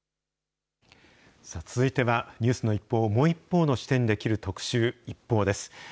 続いては、ニュースの一報をもう一方の視点で切る特集、ＩＰＰＯＵです。